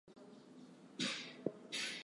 Current members